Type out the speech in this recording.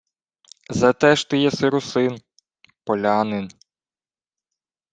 — Зате ж ти єси русин, полянин...